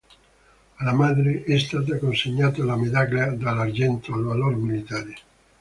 Alla madre è stata consegnata la Medaglia d'Argento al Valor militare.